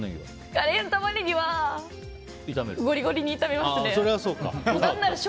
カレーのタマネギはゴリゴリに炒めますね。